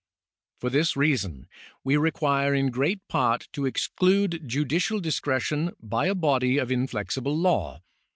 For this reason we require in great part to exclude judicial discretion by a body of inflexible law.